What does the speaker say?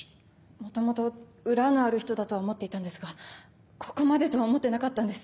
もともと裏のある人だとは思っていたんですがここまでとは思ってなかったんです。